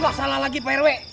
masalah lagi pak rw